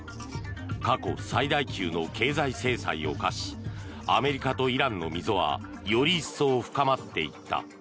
過去最大級の経済制裁を科しアメリカとイランの溝はより一層深まっていった。